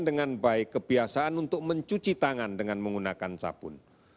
dengan baik kebiasaan untuk mencuci tangan dengan menggunakan sabun